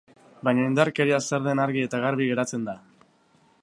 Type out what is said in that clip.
Baino indarkeria zer den argi eta garbi geratzen da.